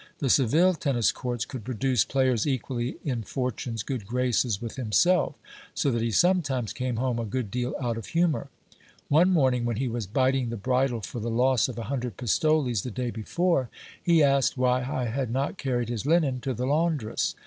The Seville tennis courts could produce players equally in fortune's good graces with himself ; so that he sometimes came home a good deal out of humour. One morning, when he was biting the bridle for the loss of a hundred pistoles the day before, he asked why I had not carried his linen to the laundress.